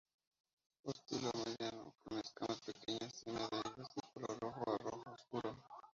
Ostiolo mediano con escamas pequeñas semi adheridas de color rojo a rojo oscuro.